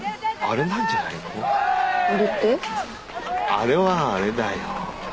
あれはあれだよ。